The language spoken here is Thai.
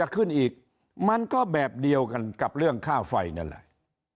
ขึ้นอีกมันก็แบบเดียวกันกับเรื่องค่าไฟนั่นแหละ